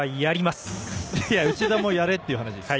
内田もやれっていう話です。